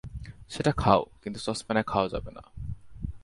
সেটা খাও, কিন্তু সসপ্যানে খাওয়া যাবে না।